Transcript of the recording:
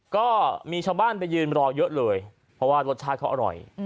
ก็มีชาวบ้านไปยืนรอเยอะเลยเพราะว่ารสชาติเขาอร่อย